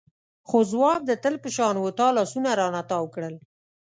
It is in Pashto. خو ځواب د تل په شان و تا لاسونه رانه تاو کړل.